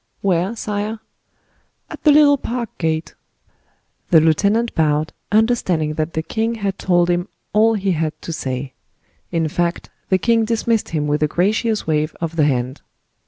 "Where, sire?" "At the little park gate." The lieutenant bowed, understanding that the king had told him all he had to say. In fact, the king dismissed him with a gracious wave of the hand.